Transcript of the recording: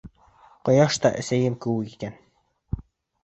Ҡояш та әсәйем кеүек икән.